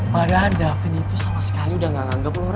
padahal davin itu sama sekali udah gak nganggep lo ra